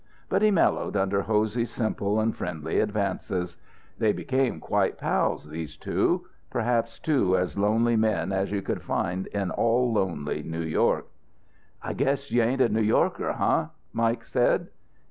But he mellowed under Hosey's simple and friendly advances. They became quite pals, these two perhaps two as lonely men as you could find in all lonely New York. "I guess you ain't a New Yorker, huh?" Mike said.